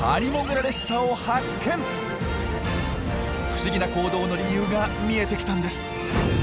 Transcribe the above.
不思議な行動の理由が見えてきたんです。